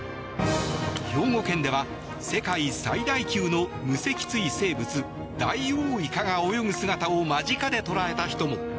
兵庫県では世界最大級の無脊椎生物ダイオウイカが泳ぐ姿を間近で捉えた人も。